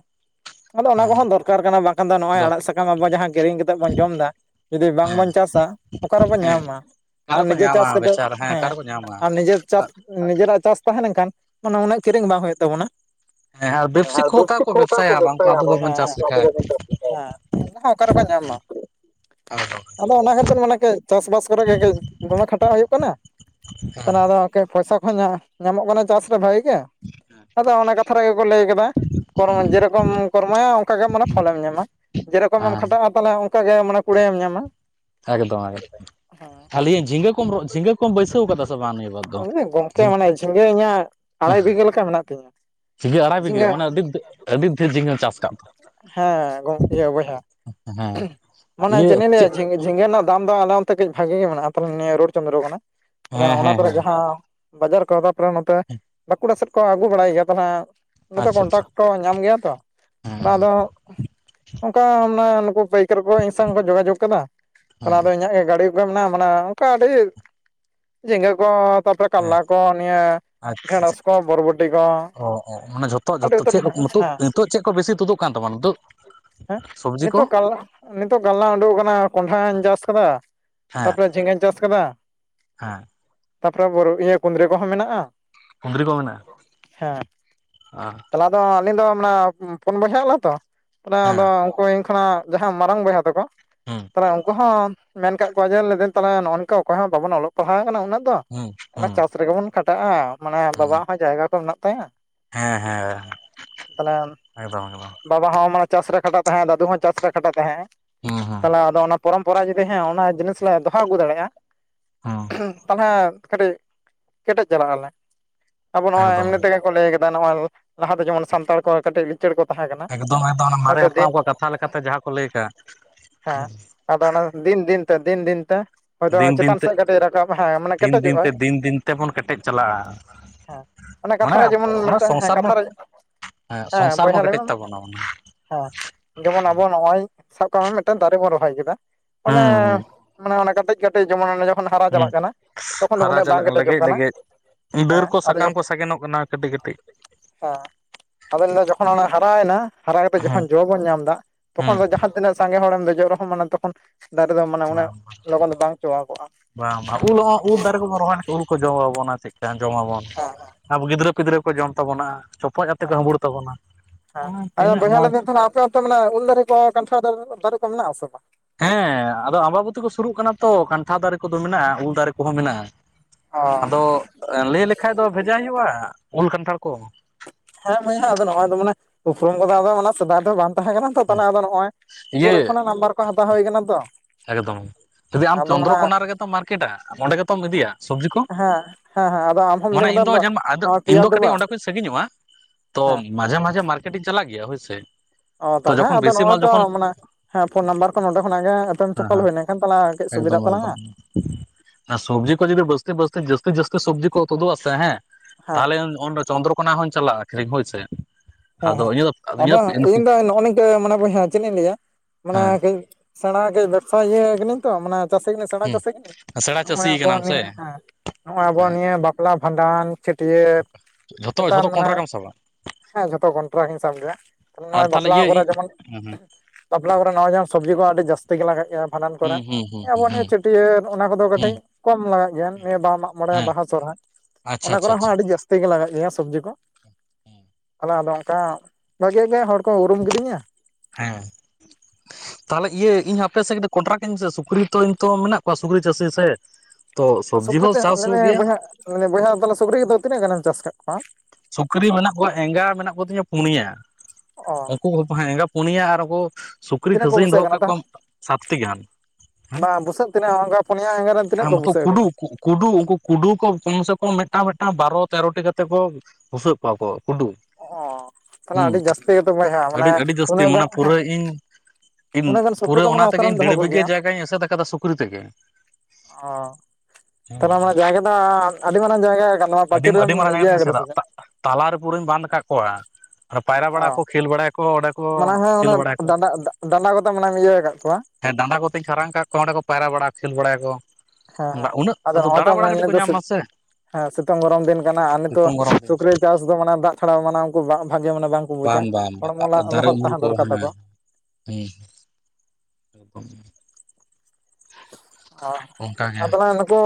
ᱟᱫᱚ ᱚᱱᱟ ᱦᱮᱸ ᱠᱚᱦᱚᱸ ᱫᱚᱨᱠᱟᱨ ᱠᱟᱱᱟ, ᱵᱟᱝ ᱠᱷᱟᱱ ᱫᱚ ᱱᱚᱜᱼᱚᱭ ᱟᱲᱟᱜ ᱥᱟᱠᱟᱢ ᱟᱵᱚ ᱡᱟᱦᱟᱸ ᱠᱤᱨᱤᱧ ᱠᱟᱛᱮᱜ ᱵᱚᱱ ᱡᱚᱢ ᱫᱟ, ᱡᱩᱫᱤ ᱦᱮᱸ ᱵᱟᱝᱵᱚᱱ ᱪᱟᱥᱟ ᱚᱠᱟᱨᱮᱵᱚᱱ ᱦᱮᱸ ᱧᱟᱢᱟ᱾ ᱚᱠᱟ ᱟᱨ ᱨᱮᱠᱚ ᱱᱤᱡᱮ ᱪᱟᱥ ᱧᱟᱢᱟ ᱠᱟᱛᱮᱜ ᱵᱮᱪᱟᱨᱟ ᱚᱠᱟ ᱦᱮᱸ, ᱨᱮᱠᱚ ᱧᱟᱢᱟ ᱟᱨ ᱱᱤᱡᱮᱨ ᱪᱟᱥ ᱱᱤᱡᱮᱨᱟᱜ ᱪᱟᱥ ᱛᱟᱦᱮᱸ ᱞᱮᱱᱠᱷᱟᱱ ᱚᱱᱮ ᱩᱱᱟᱹᱜ ᱠᱤᱨᱤᱧ ᱵᱟᱝ ᱦᱩᱭᱩᱜ ᱛᱟᱵᱚᱱᱟ᱾ ᱦᱮᱸ ᱟᱨ ᱵᱮᱵᱽᱥᱤ ᱦᱮᱸ ᱠᱚᱦᱚᱸ ᱚᱠᱟ ᱵᱮᱥᱛᱤ ᱠᱚ ᱵᱮᱵᱽᱥᱟᱭᱟ ᱵᱟᱝᱠᱚ [unintelligible] ᱟᱵᱚ ᱵᱟᱵᱚᱱ ᱦᱚᱸ ᱪᱟᱥ ᱞᱮᱠᱷᱟᱡ ᱚᱠᱟ ᱨᱮᱠᱚ ᱧᱟᱢᱟ? ᱟᱫᱚ ᱚᱱᱟ ᱠᱷᱟᱹᱛᱤᱨ ᱢᱟᱱᱮ ᱠᱟᱹᱡ ᱪᱟᱥᱵᱟᱥ ᱠᱚᱨᱮᱜ ᱜᱮ ᱠᱟᱹᱡ ᱫᱚᱢᱮ ᱠᱷᱟᱴᱟᱜ ᱦᱩᱭᱩᱜ ᱠᱟᱱᱟ᱾ ᱛᱟᱦᱚᱞᱮ ᱟᱫᱚ [unintelligible] ᱠᱟᱹᱡ ᱯᱚᱭᱥᱟ ᱠᱚ ᱧᱟᱢᱚᱜ ᱠᱟᱱᱟ ᱪᱟᱥ ᱨᱮ ᱵᱷᱟᱜᱤ ᱜᱮ, ᱟᱫᱚ ᱚᱱᱟ ᱠᱟᱛᱷᱟ ᱨᱮᱜᱮ ᱠᱚ ᱞᱟᱹᱭ ᱠᱟ ᱠᱚᱨᱢᱚ ᱡᱮᱨᱚᱠᱚᱢ ᱠᱚᱨᱢᱟᱣᱼᱟ ᱚᱱᱠᱟ ᱜᱮ ᱢᱟᱱᱮ ᱯᱷᱚᱞᱮᱢ ᱧᱟᱢᱟ᱾ ᱡᱮᱨᱚᱠᱚᱢ ᱮᱢ ᱦᱮᱸ ᱠᱷᱟᱴᱟᱜ ᱟ, ᱛᱟᱞᱦᱮ ᱚᱝᱱᱠᱟ ᱜᱮ ᱢᱟᱱᱮ ᱠᱩᱲᱟᱹᱭᱮᱢ ᱧᱟᱢᱟ᱾ ᱮᱠᱫᱚᱢ ᱮᱠᱫᱚᱢ᱾ ᱠᱷᱟᱞᱤ ᱡᱷᱤᱸᱜᱟᱹ ᱠᱚᱢ ᱨᱚ ᱡᱷᱤᱸᱜᱟᱹ ᱠᱚᱢ ᱵᱟᱹᱭᱥᱟᱹᱣ ᱠᱟᱫᱟ ᱥᱮ ᱵᱟᱝ ᱱᱤᱭᱟᱹ ᱵᱟᱨ ᱫᱚ, ᱡᱷᱤᱸᱝ ᱜᱮ ᱤᱧᱟᱹᱜ ᱟᱲᱟᱭ ᱵᱤᱜᱷᱟᱹ ᱞᱮᱠᱟ ᱢᱮᱱᱟᱜ ᱛᱤᱧᱟᱹ᱾ ᱠᱷᱤᱜᱟᱹ ᱟᱲᱟᱭ ᱵᱤᱜᱟᱹ ᱡᱷᱤᱸᱜᱟᱹ ᱢᱟᱱᱮ ᱟᱹᱰᱤ ᱵᱮᱜ ᱟᱹᱰᱤ ᱴᱷᱤᱠ ᱜᱮᱵᱤᱱ ᱪᱟᱥ ᱠᱟᱫ ᱫᱚ᱾ ᱦᱮᱸ ᱜᱚᱝᱠ ᱮ ᱵᱚᱭᱦᱟ ᱦᱮᱸ ᱢᱟᱱᱮ ᱪᱮᱫ ᱞᱤᱧ ᱞᱟᱹᱭᱟ ᱡᱷᱤᱸᱜᱟᱹ ᱡᱷᱤᱸᱜᱟᱹ ᱨᱮᱱᱟᱜ ᱫᱟᱢ ᱫᱚ ᱟᱞᱮ ᱛᱮ ᱠᱟᱹᱡ ᱵᱷᱟᱜᱮ ᱜᱮ ᱢᱮᱱᱟᱜᱼᱟ ᱛᱟᱞᱦᱮ ᱱᱤᱭᱟᱹ ᱨᱚᱲ ᱪᱚᱱᱫᱨᱚ ᱠᱟᱱᱟ ᱛᱟᱞᱦᱮ ᱦᱮᱸ ᱚᱱᱟ ᱦᱮᱸ ᱠᱚᱨᱮᱜ ᱦᱮᱸ ᱡᱟᱦᱟᱸ ᱵᱟᱡᱟᱨ ᱠᱚᱨᱮ ᱛᱟᱯᱚᱨᱮ ᱱᱚᱛᱮ ᱵᱟᱸᱠᱩᱲᱟ ᱥᱮᱫ ᱠᱚ ᱟᱹᱜᱩ ᱵᱟᱲᱟᱭ ᱜᱮᱭᱟ, ᱛᱟᱦᱞᱮ ᱟᱞᱮᱫᱚ ᱟᱪᱪᱷᱟ ᱟᱪᱪᱷᱟ ᱠᱚᱱᱴᱟᱠᱴ ᱠᱚ ᱧᱟᱢ ᱜᱮᱭᱟ ᱛᱚ, ᱦᱮᱸ ᱚᱱᱟ ᱫᱚ ᱚᱱᱠᱟ ᱚᱱᱮ ᱱᱩᱠᱩ ᱯᱟᱹᱭᱠᱟᱹᱨ ᱠᱚ ᱤᱧ ᱥᱟᱶ ᱠᱚ ᱡᱳᱜᱟᱡᱳᱜᱽ ᱠᱟᱫᱟ, ᱛᱟᱦᱚᱞᱮ ᱦᱮᱸ ᱟᱫᱚ ᱤᱧᱟᱹᱜ ᱜᱮ ᱜᱟᱹᱲᱤ ᱜᱮ ᱢᱮᱱᱟᱜ ᱢᱟᱱᱮ ᱚᱱᱠᱟ ᱡᱷᱤᱸᱜᱟᱹ ᱠᱚ ᱛᱟᱯᱚᱨᱮ ᱦᱮᱸ ᱠᱟᱞᱞᱟ ᱠᱚ ᱱᱤᱭᱟᱹ ᱟᱪᱪᱷᱟ ᱰᱷᱮᱲᱚᱥ ᱠᱚ ᱵᱚᱨᱵᱚᱴᱤ ᱠᱚ ᱚ ᱚ ᱢᱟᱮ ᱡᱷᱚᱛᱚ ᱟᱹᱰᱤ ᱡᱷᱚᱛᱚ ᱩᱛᱟᱹᱨ ᱪᱮᱫ ᱦᱮᱸ ᱱᱤᱛᱚᱜ ᱪᱮᱫ ᱠᱚ ᱵᱮᱥᱤ ᱛᱩᱫᱩᱜ ᱠᱟᱱ ᱛᱟᱢᱟ ᱱᱤᱛᱚᱜ? ᱦᱮᱸ ᱥᱚᱵᱽᱡᱤ ᱠᱚ ᱱᱤᱛᱚᱜ ᱠᱟᱞᱞᱟ ᱱᱤᱛᱚᱜ ᱠᱟᱞᱞᱟ ᱩᱰᱩᱠ ᱟᱠᱟᱱᱟ ᱠᱚᱸᱰᱷᱟᱧ ᱪᱟᱥ ᱠᱟᱫᱟ ᱦᱮᱸ ᱛᱟᱯᱚᱨᱮ ᱡᱷᱤᱸᱜᱟᱧ ᱪᱟᱥ ᱠᱟᱫᱟ ᱦᱮᱸ, ᱛᱟᱯᱚᱨᱮ ᱵᱩᱨᱩ ᱤᱭᱟᱹ ᱠᱩᱸᱫᱽᱨᱤᱟᱹ ᱠᱚᱦᱚᱸ ᱢᱮᱱᱟᱜᱼᱟ᱾ ᱠᱩᱸᱫᱽᱨᱤ ᱠᱚ ᱢᱮᱱᱟᱜᱼᱟ? ᱦᱮᱸ᱾ [unintelligible] ᱚᱞᱟ ᱫᱚ ᱟᱹᱞᱤᱧ ᱫᱚ ᱚᱱᱟ ᱯᱩᱱ ᱵᱚᱭᱦᱟᱜ ᱟᱞᱮ ᱛᱚ, ᱛᱟᱦᱚᱞᱮ ᱦᱮᱸ ᱟᱫᱚ ᱩᱱᱠᱩ ᱤᱧ ᱠᱷᱚᱱᱟᱜ ᱡᱟᱦᱟᱸ ᱢᱟᱨᱟᱝ ᱵᱚᱭᱦᱟ ᱛᱟᱠᱚ, ᱦᱩᱸ ᱛᱟᱦᱚᱞᱮ ᱩᱱᱠᱩ ᱦᱚᱸ ᱢᱮᱱ ᱠᱟᱫ ᱠᱚᱣᱟ ᱡᱮ ᱞᱟᱹᱭ ᱫᱟᱹᱧ ᱛᱟᱦᱚᱞᱮ ᱱᱮᱜ ᱱᱚᱝᱠᱟ ᱚᱠᱚᱭ ᱦᱚᱸ ᱵᱟᱵᱚᱱ ᱚᱞᱚᱜ ᱯᱟᱲᱦᱟᱜ ᱠᱟᱱᱟ ᱩᱱᱟᱹᱜ ᱫᱚ, ᱦᱩᱸ ᱛᱟᱦᱚᱞᱮ ᱦᱩᱸ ᱪᱟᱥ ᱨᱮᱜᱮ ᱵᱚᱱ ᱠᱷᱟᱴᱟᱜᱼᱟ, ᱢᱟᱱᱮ ᱦᱩᱸ ᱵᱟᱵᱟᱣᱟᱜ ᱦᱚᱸ ᱡᱟᱭᱜᱟ ᱠᱚ ᱢᱮᱱᱟᱜ ᱛᱟᱭᱟ᱾ ᱦᱮᱸ ᱦᱮᱸ ᱛᱟᱦᱚᱞᱮ ᱮᱠᱫᱚᱢ ᱮᱠᱫᱚᱢ᱾ ᱵᱟᱵᱟ ᱦᱚ ᱢᱟᱱᱮ ᱪᱟᱥ ᱨᱮ ᱠᱷᱟᱴᱟᱜ ᱛᱟᱦᱮᱸᱜᱫ ᱫᱟᱫᱩ ᱦᱚᱸ ᱪᱟᱥ ᱨᱮ ᱠᱷᱟᱴᱟᱜ ᱛᱟᱦᱮᱸ, ᱦᱩᱸ ᱦᱩᱸ ᱛᱟᱦᱚᱞᱮ ᱟᱫᱚ ᱚᱱᱟ ᱯᱚᱨᱚᱢᱯᱚᱨᱟ ᱡᱩᱫᱤ ᱦᱮᱸ ᱚᱱᱟ ᱡᱤᱱᱤᱥ ᱞᱮ ᱫᱚᱦᱚ ᱟᱹᱜᱩ ᱫᱟᱲᱮᱭᱟᱜᱼᱟ, ᱦᱩᱸ ᱛᱟᱦᱚᱞᱮ ᱠᱟᱹᱴᱤᱡ ᱠᱮᱴᱮᱡ ᱪᱟᱞᱟᱜ ᱟᱞᱮ ᱟᱵᱚ ᱱᱚᱣᱟ ᱮᱠᱫᱚᱢ ᱮᱢᱱᱤ ᱛᱮᱜᱮ ᱠᱚ ᱞᱟᱹᱭ ᱟᱠᱟᱫᱟ ᱱᱚᱣᱟ ᱞᱟᱦᱟᱛᱮ ᱡᱮᱢᱚᱱ ᱥᱟᱱᱛᱟᱲ ᱠᱚ ᱠᱟᱹᱴᱤᱡ ᱞᱤᱪᱟᱹᱲ ᱠᱚ ᱛᱟᱦᱮᱸ ᱠᱟᱱᱟ᱾ ᱮᱠᱫᱚᱢ ᱢᱟᱨᱮ ᱦᱚᱭᱛᱳ ᱦᱟᱯᱲᱟᱢ ᱫᱤᱱ ᱠᱚᱣᱟᱜ ᱠᱟᱛᱷᱟ ᱞᱮᱠᱟᱛᱮ ᱡᱟᱦᱟᱸ ᱠᱚ ᱞᱟᱹᱭ ᱠᱟᱜ ᱦᱮᱸ ᱟᱫᱚ ᱚᱱᱟ ᱫᱤᱱ ᱫᱤᱱᱛᱮ ᱫᱤᱱ ᱫᱤᱱᱛᱮ ᱦᱳᱭᱛᱚ ᱫᱤᱱ ᱫᱤᱱ ᱪᱮᱛᱟᱱ ᱛᱮ ᱥᱮᱫ ᱠᱟᱹᱴᱤᱡ ᱨᱟᱠᱟᱵ ᱦᱮᱸ ᱢᱟᱱᱮ ᱫᱤᱱ ᱫᱤᱱ ᱠᱮᱴᱮᱡᱚᱜᱟᱭ᱾ ᱛᱮ ᱫᱤᱱ ᱫᱤᱱ ᱛᱮᱵᱚᱱ ᱠᱮᱴᱮᱡ ᱪᱟᱞᱟᱜᱼᱟ ᱦᱮᱸ ᱚᱱᱟ ᱠᱟᱛᱷᱟ ᱨᱮ ᱢᱟᱱᱮ ᱡᱮᱢᱚᱱ ᱚᱱᱟ ᱢᱤᱫᱴᱮᱱ ᱦᱮᱸ ᱥᱚᱝᱥᱟᱨ ᱠᱟᱛᱷᱟ ᱵᱚᱱ ᱨᱮ ᱦᱮᱸ ᱥᱚᱝᱥᱟᱨ ᱢᱟ ᱵᱚᱭᱦᱟ ᱞᱟᱹᱭ ᱢᱮ ᱠᱮᱴᱮᱡ ᱛᱟᱵᱚᱱ ᱟᱵᱚᱱ᱾ ᱦᱮᱸ ᱡᱮᱢᱚᱱ ᱟᱵᱚ ᱱᱚᱜᱼᱚᱭ ᱥᱟᱵ ᱠᱟᱜ ᱢᱮ ᱢᱤᱫᱴᱮᱱ ᱫᱟᱨᱮ ᱵᱩᱱ ᱨᱚᱦᱚᱭ ᱠᱮᱫᱟ᱾ ᱚᱱᱮ ᱦᱩᱸ ᱦᱩᱸ ᱢᱟᱱᱮ ᱚᱱᱟ ᱠᱟᱹᱴᱤᱡ ᱴᱤᱡ ᱡᱮᱢᱚᱱ ᱡᱚᱠᱷᱚᱱ ᱦᱟᱨᱟ ᱦᱩᱸ ᱪᱟᱞᱟᱜ ᱠᱟᱱᱟ, ᱛᱚᱠᱷᱚᱱ ᱫᱚ ᱦᱟᱨᱟ ᱩᱱᱟᱜ ᱪᱟᱞᱟᱜ ᱵᱟᱝ ᱠᱮᱴᱮᱡᱚᱜ ᱞᱮᱜᱮᱡ ᱠᱟᱱᱟ᱾ ᱞᱮᱜᱮᱡ ᱰᱟᱹᱨ ᱦᱮᱸ ᱠᱚ ᱟᱫᱚ ᱥᱟᱠᱟᱢ ᱠᱚ ᱡᱚᱠᱷᱚᱱ ᱥᱟᱜᱮᱱᱚᱜ ᱠᱟᱱᱟ ᱠᱟᱹᱴᱤᱡ ᱠᱟᱹᱴᱤᱡ᱾ ᱦᱮᱸ ᱟᱫᱚ ᱚᱱᱮ ᱡᱚᱠᱷᱚᱱ ᱚᱱᱟ ᱦᱟᱨᱟᱭᱮᱱᱟ ᱦᱟᱨᱟ ᱚᱱᱟ ᱠᱟᱛᱮ ᱦᱮᱸ ᱡᱚᱠᱷᱚᱱ ᱡᱚ ᱵᱚᱱ ᱧᱟᱢ ᱮᱫᱟ, ᱛᱚᱠᱷᱚᱱ ᱦᱮᱸ ᱫᱚ ᱡᱟᱦᱟᱸ ᱛᱤᱱᱟᱹᱜ ᱥᱟᱸᱜᱮ ᱦᱚᱲᱮᱢ ᱫᱮᱡᱚᱜ ᱨᱮᱦᱚᱢ ᱢᱟᱱ ᱛᱚᱠᱷᱚᱱ ᱫᱟᱨᱮ ᱫᱚ ᱢᱟᱱᱮ ᱚᱱᱮ ᱵᱟᱝ ᱞᱚᱜᱚᱱ ᱫᱚ ᱵᱟᱝ ᱪᱚᱣᱟ ᱜᱚᱜᱼᱟ᱾ ᱵᱟᱝ ᱵᱟᱝ ᱩᱞ ᱦᱚᱸ ᱩᱞ ᱫᱟᱨᱮ ᱠᱚᱵᱚᱱ ᱨᱚᱦᱚᱭ ᱞᱮᱠᱷᱟᱱ ᱩᱞ ᱠᱚ ᱡᱚᱢ ᱟᱵᱚᱱᱟ ᱪᱮᱫᱮ ᱡᱚᱢᱟᱵᱚᱱ ᱟᱵᱚ ᱜᱤᱫᱽᱨᱟᱹ ᱯᱤᱫᱽᱨᱟᱹ ᱠᱚ ᱡᱚᱢ ᱛᱟᱵᱚᱱᱟ᱾ ᱪᱚ ᱯᱚᱡ ᱟᱛᱮ ᱠᱚ ᱦᱮᱸ ᱦᱟᱸᱵᱩᱲ ᱛᱟᱵᱚᱱᱟ᱾ ᱦᱮᱸ ᱟ ᱛᱤᱱᱟᱹᱜ ᱵᱚᱭᱦᱟ ᱢᱚᱸᱡᱽ ᱞᱮᱫᱤᱱ ᱛᱮ ᱟᱯᱮ ᱚᱛᱮ ᱢᱮ ᱩᱞ ᱫᱟᱨᱮ ᱠᱚ ᱠᱟᱱᱴᱷᱟᱲ ᱠᱚ ᱢᱮᱱᱟᱜᱼᱟ ᱟᱥᱮ ᱵᱟᱝ? ᱦᱮᱸ ᱟᱫᱚ ᱟᱢᱵᱟᱵᱚᱛᱤ ᱠᱚ ᱥᱩᱨᱩᱜ ᱠᱟᱱᱟ ᱛᱚ, ᱠᱟᱱᱴᱷᱟ ᱫᱟᱨᱮ ᱠᱚᱫᱚ ᱢᱮᱱᱟᱜᱼᱟ ᱩᱞ ᱫᱟᱨᱮ ᱠᱚᱦᱚᱸ ᱢᱮᱱᱟᱜᱼᱟ᱾ ᱚ ᱟᱫᱚ ᱞᱟᱹᱭ ᱞᱮᱠᱷᱟᱡ ᱫᱚ ᱵᱷᱮᱡᱟᱭ ᱦᱩᱭᱩᱜᱼᱟ ᱩᱞ ᱠᱟᱱᱴᱷᱟᱲ ᱠᱚ᱾ ᱦᱮᱸ ᱵᱟᱹᱭ ᱟᱫᱚ ᱱᱚᱜᱚᱭ ᱫᱚ ᱢᱟᱱᱮ ᱟᱠᱷᱨᱤᱧ ᱠᱚᱫᱚ ᱟᱫᱚ ᱥᱮᱫᱟᱭᱟᱜ ᱫᱚ ᱵᱟᱝ ᱛᱟᱦᱮᱸ ᱠᱟᱱᱟ ᱛᱚ, ᱛᱟᱦᱚᱞᱮ ᱟᱫᱚ ᱱᱚᱜᱼᱚᱭ ᱜᱨᱩᱯ ᱤᱭᱟᱹ ᱠᱷᱚᱱᱟᱜ ᱱᱟᱢᱵᱟᱨ ᱠᱚ ᱦᱟᱛᱟᱣ ᱦᱩᱭ ᱠᱟᱱᱟ ᱛᱚ᱾ ᱮᱠᱫᱚᱢ ᱡᱩᱫᱤ ᱟᱢ ᱟᱫᱚ ᱢᱟᱱᱮ ᱪᱚᱱᱫᱨᱚᱚᱠᱳᱱᱟ ᱨᱮᱜᱮ ᱛᱚᱢ ᱢᱟᱨᱠᱮᱴᱟ? ᱚᱸᱰᱮ ᱜᱮᱛᱚᱢ ᱤᱫᱤᱭᱟ? ᱥᱚᱵᱡᱤ ᱠᱚ ᱦᱮᱸ ᱦᱮᱸ ᱦᱮᱸ ᱟᱫᱚ ᱟᱢ ᱦᱚᱢ ᱞᱟᱹᱭ ᱢᱟᱱᱮ ᱠᱮᱫᱟ ᱤᱧ ᱫᱚ ᱟᱫᱚ ᱱᱚᱣᱟ ᱤᱧ ᱯᱮᱭᱟ ᱫᱚ ᱠᱟᱹᱴᱤᱡ ᱰᱚᱵᱟ ᱚᱸᱰᱮ ᱠᱷᱚᱱ ᱥᱟᱺᱟᱜᱤᱧᱚᱜᱼᱟ, ᱛᱚ ᱦᱮᱸ ᱢᱟᱡᱷᱮ ᱢᱟᱡᱷᱮ ᱢᱟᱨᱠᱮᱴ ᱤᱧ ᱪᱟᱞᱟᱜ ᱜᱮᱭᱟ ᱦᱳᱭᱥᱮ᱾ ᱚ ᱛᱚ ᱛᱟᱞᱦᱮ ᱦᱮᱸ ᱡᱚᱠᱷᱚᱱ ᱟᱫᱚ ᱵᱮᱥᱤ ᱱᱚᱜᱼᱚᱭ ᱢᱟᱞ ᱛᱚ ᱡᱚᱠᱷᱚᱱ ᱢᱟᱱᱮ ᱦᱮᱸ ᱯᱷᱳᱱ ᱱᱟᱢᱵᱟᱨ ᱠᱚ ᱱᱚᱰᱮ ᱠᱷᱚᱱᱟᱜ ᱜᱮ ᱮᱯᱮᱢ ᱦᱮᱸ ᱪᱟᱯᱟᱞ ᱦᱩᱭ ᱞᱮᱱ ᱠᱷᱟᱱ ᱛᱟᱞᱟᱝ ᱠᱟᱹᱡ ᱥᱩᱵᱤᱫᱷᱟᱜ ᱛᱞᱟᱝᱟ᱾ ᱟᱨ ᱥᱚᱵᱡᱤ ᱠᱚ ᱡᱩᱫᱤ ᱵᱟᱹᱥᱛᱮ ᱵᱟᱹᱥᱛᱤ ᱡᱟᱹᱥᱛᱤ ᱡᱟᱹᱥᱛᱤ ᱥᱚᱵᱡᱤ ᱠᱚ ᱛᱩᱫᱩᱜᱼᱟ ᱥᱮ ᱦᱮᱸ᱾ ᱦᱮᱸ ᱛᱟᱦᱚᱞᱮᱧ ᱚᱸᱰᱮ ᱪᱚᱱᱫᱨᱚᱠᱳᱱᱟ ᱦᱚᱸᱧ ᱪᱟᱞᱟᱜᱼᱟ ᱟᱹᱠᱷᱨᱤᱧ ᱦᱳᱭ ᱥᱮ᱾ ᱦᱮᱸ ᱟᱫᱚ ᱦᱮᱸ ᱤᱧᱟᱹᱜ ᱫᱚ ᱟᱫᱚ ᱤᱧᱟᱹᱜ ᱦᱮᱸ ᱤᱧ ᱫᱚ ᱱᱚᱜᱼᱚ ᱱᱤᱝᱠᱟᱹ ᱢᱟᱱᱮ ᱵᱚᱭᱦᱟ ᱪᱮᱫ ᱤᱧ ᱞᱟᱹᱭᱟ ᱢᱟᱱᱮ ᱠᱟᱹᱡ᱾ ᱥᱮᱬᱟ ᱠᱟᱹᱡ ᱵᱮᱵᱽᱥᱟ ᱤᱭᱟᱹ ᱠᱟᱹᱱᱟᱹᱧ ᱛᱚ ᱢᱟᱱᱮ ᱪᱟᱹᱥᱤ ᱠᱟᱹᱱᱟᱧ ᱥᱮᱬᱟ ᱦᱩᱸ ᱪᱟᱹᱥᱤ ᱠᱟᱹᱱᱟᱹᱧ ᱥᱮᱬᱟ ᱱᱚᱜᱼᱚᱭ ᱪᱟᱹᱥᱤ ᱟᱵᱚ ᱠᱟᱱᱟᱢ ᱥᱮ ᱱᱤᱭᱟᱹ ᱦᱮᱸ ᱱᱚᱜᱼᱚᱭ ᱟᱵᱚᱣᱟᱜ ᱱᱤᱭᱟᱹ ᱵᱟᱯᱞᱟ ᱵᱷᱟᱸᱰᱟᱱ ᱪᱷᱟᱹᱴᱭᱟᱹᱨ ᱡᱷᱚᱛᱚ ᱱᱮᱛᱟᱨ ᱡᱷᱚᱛᱚ ᱢᱟᱱᱮ ᱠᱚᱱᱴᱨᱟᱠ ᱮᱢ ᱦᱮᱸ ᱡᱷᱚᱛᱚ ᱠᱚᱱᱴᱨᱟᱠᱴ ᱤᱧ ᱥᱟᱵ ᱜᱮᱭᱟ, ᱛᱚ ᱟᱨ ᱱᱚᱜᱼᱚᱭ ᱛᱟᱦᱚᱞᱮ ᱵᱟᱯᱞᱟ ᱤᱭᱟᱹ ᱠᱚᱨᱮ ᱡᱮᱢᱚᱱ ᱦᱩᱸ ᱵᱟᱯᱞᱟ ᱠᱚᱨᱮ ᱱᱚᱣᱟ ᱡᱟᱦᱟᱸᱱ ᱥᱚᱵᱡᱤ ᱠᱚ ᱟᱹᱰᱤ ᱡᱟᱹᱥ ᱛᱮᱜᱮ ᱞᱟᱜᱟᱜ ᱜᱮᱭᱟ ᱵᱷᱟᱸᱰᱟᱱ ᱦᱩᱸ ᱠᱚᱨᱮᱱ, ᱦᱩᱸ ᱦᱩᱸ ᱟᱵᱚ ᱦᱩᱸ ᱱᱤᱭᱟᱹ ᱦᱩᱸ ᱪᱟᱹᱴᱭᱟᱹᱨ ᱚᱱᱟ ᱠᱚᱫᱚ ᱠᱟᱹᱴᱤᱡ ᱦᱩᱸ ᱠᱚᱢ ᱞᱟᱜᱟᱜ ᱜᱮᱭᱟ ᱱᱤᱭᱟᱹ ᱵᱟᱦᱟ ᱢᱟᱜ ᱢᱚᱬᱮ ᱦᱮᱸ ᱵᱟᱦᱟ ᱥᱚᱨᱦᱟᱭ ᱟᱪᱪᱷᱟ ᱚᱱᱟ ᱟᱪᱪᱷᱟ ᱠᱚᱨᱮ ᱦᱚᱸ ᱟᱪᱪᱷᱟ ᱟᱹᱰᱤ ᱡᱟᱹᱥᱛᱤ ᱜᱮ ᱞᱟᱜᱟᱜ ᱜᱮᱭᱟ ᱥᱚᱵᱽᱡᱤ ᱠᱚ᱾ ᱛᱟᱦᱚᱞᱮ ᱟᱫᱚ ᱚᱱᱠᱟ ᱵᱷᱟᱹᱜᱤ ᱜᱮ ᱦᱚᱲ ᱠᱚ ᱩᱨᱩᱢ ᱠᱤᱫᱤᱧᱟ᱾ ᱦᱮᱸ᱾ ᱛᱟᱦᱞᱮ ᱤᱭᱟᱹ ᱤᱧ ᱦᱚᱸ ᱟᱯᱮ ᱥᱮᱫ ᱠᱚᱱᱴᱨᱟᱠᱴ ᱤᱧ ᱢᱮ ᱥᱮ ᱥᱩᱠᱨᱤ ᱛᱚ ᱤᱧ ᱛᱚ ᱢᱮᱱᱟᱜ ᱠᱚᱣᱟ ᱥᱩᱠᱨᱤ ᱪᱟᱹᱥᱤ ᱥᱮ᱾ ᱛᱚ ᱥᱚᱵᱡᱤ ᱥᱩᱠᱨᱤ ᱦᱚᱸ ᱛᱮ ᱪᱟᱥ ᱦᱩᱭᱩᱜ ᱞᱟᱹᱭᱫᱟᱹᱧ ᱜᱮᱭᱟ᱾ ᱵᱚᱭᱦᱟ ᱵᱚᱭᱦᱟ ᱛᱟᱦᱞᱮ ᱥᱩᱠᱨᱤ ᱠᱚ ᱫᱚ ᱛᱤᱱᱟᱹᱜ ᱜᱟᱱ ᱮᱢ ᱪᱟᱥ ᱟᱠᱟᱫ ᱠᱚᱣᱟ? ᱥᱩᱠᱨᱤ ᱢᱮᱱᱟᱜ ᱠᱚᱣᱟ ᱮᱸᱜᱟ ᱢᱮᱱᱟᱜ ᱠᱚ ᱛᱤᱧᱟ ᱯᱩᱱᱭᱟ᱾ ᱚ, ᱩᱱᱠᱩ ᱮᱸᱜᱟ ᱯᱩᱱᱭᱟ ᱟᱨ ᱩᱝᱠᱩ ᱥᱩᱠᱨᱤ ᱛᱤᱱᱟᱹᱜ ᱠᱚ ᱠᱷᱟᱹᱥᱤᱧ ᱵᱩᱥᱟᱹᱜ ᱫᱚᱦᱚ ᱠᱟᱱᱟ ᱠᱟᱜ ᱠᱚᱣᱟ ᱛᱟᱦᱚᱞᱮ ᱥᱟᱛᱴᱤ ᱜᱟᱱ᱾ ᱦᱮᱸ ᱵᱟᱝ ᱵᱩᱥᱟᱹᱜ ᱛᱤᱱᱟᱹᱜ ᱮᱸᱜᱟ ᱯᱩᱱᱭᱟ ᱮᱸᱜᱟ ᱨᱮᱱ ᱛᱤᱱᱟᱹᱜ ᱟᱨ ᱠᱚ ᱢᱚᱛᱚ ᱵᱩᱥᱟᱹᱜ ᱠᱟᱱᱟ? ᱠᱩᱰᱩ ᱠᱩᱰᱩ ᱩᱱᱠᱩ ᱠᱩᱰᱩ ᱠᱚ ᱠᱚᱢ ᱥᱮ ᱠᱚᱢ ᱢᱤᱫ ᱴᱟᱝ ᱢᱤᱫ ᱴᱟᱝ ᱵᱟᱨᱚ ᱛᱮᱨᱚᱴᱤ ᱠᱟᱛᱮ ᱠᱚ ᱵᱩᱥᱟᱹᱜ ᱠᱚᱣᱟ ᱠᱚ ᱠᱩᱰᱩ᱾ ᱚᱻ ᱛᱟᱞᱦᱮ ᱦᱩᱸ ᱟᱹᱰᱤ ᱡᱟᱹᱥᱛᱤ ᱜᱮ ᱛᱚ ᱵᱚᱭᱦᱟ ᱢᱟᱱᱮ ᱟᱹᱰᱤ ᱟᱹᱰᱤ ᱡᱟᱹᱥᱛᱤ ᱩᱱᱟᱹᱜ ᱫᱚ ᱢᱟᱱᱮ ᱦᱮᱸ ᱯᱩᱨᱟᱹ ᱤᱧ ᱤᱧ ᱩᱱᱟᱹᱜ ᱜᱟᱱ ᱥᱩᱠᱨᱤ ᱯᱩᱨᱟᱹ ᱚᱱᱟ ᱛᱮ ᱜᱮ ᱚᱠᱟᱨᱮᱢ ᱤᱧ ᱫᱚᱦᱚ ᱫᱮᱲ ᱵᱤᱜᱷᱟᱹ ᱠᱚᱜᱮᱭᱟ ᱡᱟᱭᱜᱟᱧ ᱮᱥᱮᱫ ᱟᱠᱟᱫᱟ ᱥᱩᱠᱨᱤ ᱛᱮᱜᱮ᱾ ᱚ ᱦᱮᱸ ᱛᱟᱞᱦᱮ ᱢᱟᱱᱮ ᱡᱟᱭᱜᱟ ᱴᱟᱜ ᱟᱹᱰᱤ ᱢᱟᱨᱟᱝ ᱡᱟᱭᱜᱟ ᱠᱟ ᱱᱚᱣᱟ ᱯᱟᱪᱤᱨ ᱮᱢ ᱤᱭᱟᱹ ᱠᱟᱫᱟ ᱥᱮ ᱪᱮᱫ? ᱛᱟᱞᱟ ᱨᱮ ᱯᱩᱨᱟᱹᱧ ᱵᱟᱸᱫ ᱟᱠᱟᱫ ᱠᱚᱣᱟ᱾ ᱟᱨ ᱯᱟᱭᱨᱟ ᱵᱟᱲᱟ ᱚ ᱠᱚ ᱠᱷᱮᱞ ᱵᱟᱲᱟᱭᱟᱠᱚ ᱚᱸᱰᱮ ᱠᱚ ᱢᱟᱱᱮ ᱦᱮᱸ ᱠᱷᱮᱞ ᱚᱱᱟ ᱵᱟᱲᱟᱭᱟᱠᱚ᱾ ᱰᱟᱸᱰᱟ ᱰᱟᱸᱰᱟ ᱠᱚᱛᱮ ᱢᱟᱱᱮᱢ ᱤᱭᱟᱹ ᱟᱠᱟᱫ ᱠᱚᱣᱟ ᱦᱮᱸ ᱰᱟᱸᱰᱟ ᱠᱚᱛᱮᱧ ᱠᱷᱟᱨᱟᱝ ᱠᱟᱜ ᱠᱚᱣᱟ ᱚᱸᱰᱮ ᱠᱚ ᱯᱟᱭᱨᱟ ᱵᱟᱲᱟ ᱠᱷᱮᱞ ᱵᱟᱲᱟᱭᱟᱠᱚ᱾ ᱦᱮᱸ ᱦᱮᱸ ᱩᱱᱟᱹᱜ ᱟᱫᱚ ᱱᱚᱜᱼᱚᱭ ᱫᱟᱬᱟ ᱵᱟᱲᱟ ᱛᱚ ᱠᱟᱹᱴᱤᱡ ᱠᱚ ᱱᱤᱛᱚᱜ ᱧᱟᱢ ᱢᱟ ᱥᱮ᱾ ᱦᱮᱸ ᱥᱤᱛᱩᱝ ᱜᱚᱨᱚᱢ ᱫᱤᱱ ᱠᱟᱱᱟ ᱟᱨ ᱱᱤᱛᱚᱜ ᱜᱚᱨᱚᱢ ᱫᱤᱱ ᱥᱩᱠᱨᱤ ᱪᱟᱥ ᱫᱚ ᱢᱟᱱᱮ ᱫᱟᱜ ᱪᱷᱟᱲᱟ ᱢᱟᱱᱮ ᱩᱱᱠᱩ ᱵᱟᱝ ᱵᱷᱟᱜᱮ ᱢᱟᱱᱮ ᱵᱟᱝ ᱵᱩᱡᱟ ᱵᱟᱝ ᱵᱟᱝ ᱦᱚᱲᱢᱚ ᱫᱟᱨᱮ ᱞᱚᱦᱚᱫ ᱩᱢᱩᱞ ᱛᱟᱦᱮᱸ ᱠᱚ ᱫᱚᱨᱠᱟᱨ ᱛᱟᱠᱚᱣᱟ᱾ ᱦᱮᱸ [unintelligible] [unintelligible] ᱚ ᱚᱱᱠᱟᱜᱮ ᱟᱫᱚ ᱱᱟᱼᱜ ᱱᱩᱠᱩ